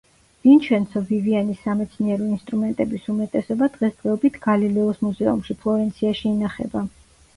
ვინჩენცო ვივიანის სამეცნიერო ინსტრუმენტების უმეტესობა დღესდღეობით გალილეოს მუზეუმში, ფლორენციაში ინახება.